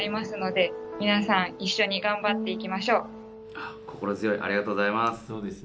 ああ心強いありがとうございます。